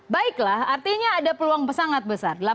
baiklah artinya ada peluang sangat besar